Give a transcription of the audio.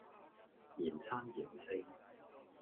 嫌三嫌四